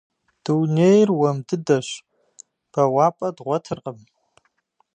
Дунейр уэм дыдэщ, бэуапӏэ дгъуэтыркъым.